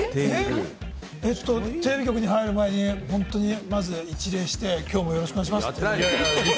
テレビ局に入る前にまずは一礼して、きょうもよろしくお願いしますって。